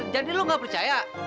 jadi lo nggak percaya